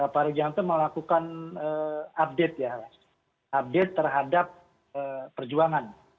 pak rigianto melakukan update ya update terhadap perjuangan